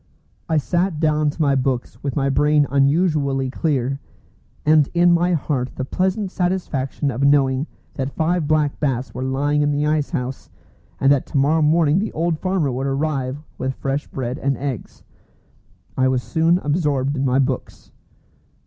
I sat down to my books with my brain unusually clear, and in my heart the pleasant satisfaction of knowing that five black bass were lying in the ice house, and that to morrow morning the old farmer would arrive with fresh bread and eggs. I was soon absorbed in my books.